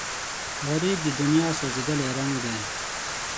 غریب د دنیا سوځېدلی رنګ دی